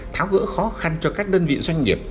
tháo gỡ khó khăn cho các đơn vị doanh nghiệp